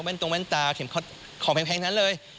แว่นตรงแว่นตาของแพงนั้นเลย